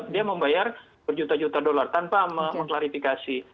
dia membayar berjuta juta dolar tanpa mengklarifikasi